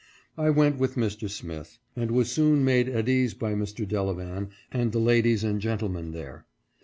I went with Mr. Smith, and was soon made at ease by Mr. Delevan and the ladies and gentlemen there.